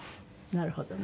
なるほどね。